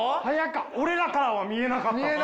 俺らからは見えなかったっす！